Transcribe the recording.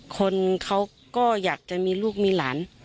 คนเขาก็อยากจะมีลูกมีหลาน